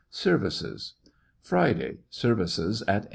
Services. Friday. Services at M